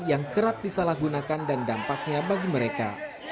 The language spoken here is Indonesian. yang kerap disalahgunakan dan dampaknya bagi mereka